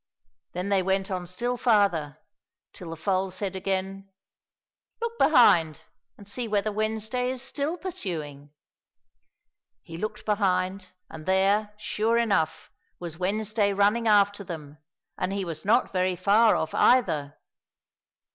Then they went on still farther, till the foal said again, " Look behind, and see whether Wednesday is still pursuing !"— He looked behind, and there, sure enough, was Wednesday running after them, and he was not very far off either.